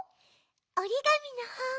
おりがみのほん。